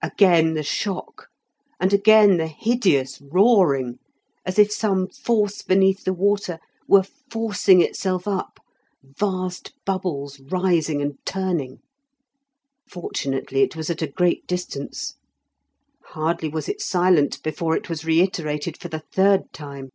Again the shock, and again the hideous roaring, as if some force beneath the water were forcing itself up, vast bubbles rising and turning. Fortunately it was at a great distance. Hardly was it silent before it was reiterated for the third time.